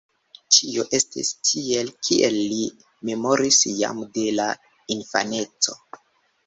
Ĉio estis tiel, kiel li memoris jam de la infaneco.